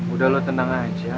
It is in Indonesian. udah lo tenang aja